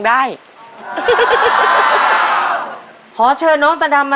ตัวเลือกที่๔๖ดอก